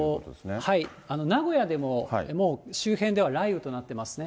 あと名古屋でも、もう周辺では雷雨となってますね。